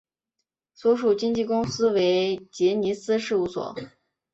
所属经纪公司为杰尼斯事务所。